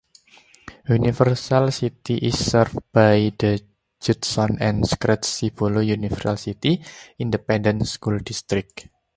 Universal City is served by the Judson and Schertz-Cibolo-Universal City Independent School Districts.